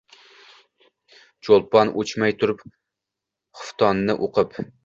Cho’lpon o’chmay turib xuftonni o’qib